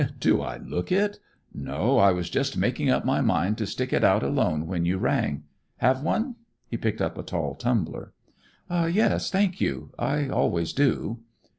"Do I look it? No, I was just making up my mind to stick it out alone when you rang. Have one?" he picked up a tall tumbler. "Yes, thank you. I always do."